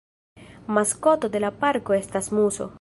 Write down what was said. Maskoto de la parko estas muso.